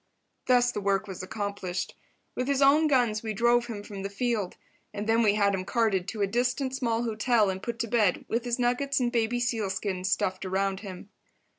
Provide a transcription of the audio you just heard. Thus the work was accomplished. With his own guns we drove him from the field. And then we had him carted to a distant small hotel and put to bed with his nuggets and baby seal skins stuffed around him.